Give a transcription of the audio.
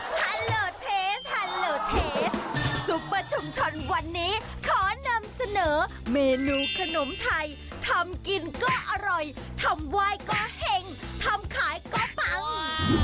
ฮัลโลเทสแฮลโลเทสซุปเปอร์ชุมชนวันนี้ขอนำเสนอเมนูขนมไทยทำกินก็อร่อยทำไหว้ก็เห็งทำขายก็ปัง